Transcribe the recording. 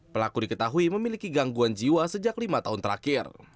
pelaku diketahui memiliki gangguan jiwa sejak lima tahun terakhir